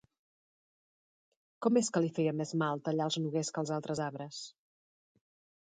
Com és que li feia més mal tallar els noguers que els altres arbres?